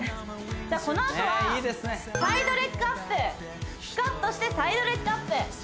このあとはサイドレッグアップスクワットしてサイドレッグアップ